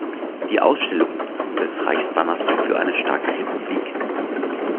Die Ausstellung des Reichsbanners „Für eine starke Republik!